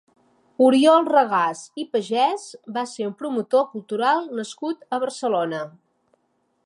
Oriol Regàs i Pagès va ser un promotor cultural nascut a Barcelona.